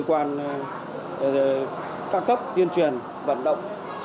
quan các cấp tiên truyền vận động